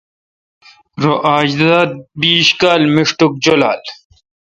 رو اج دا بیش کال مݭٹک جولال۔